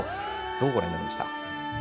どうご覧になりました？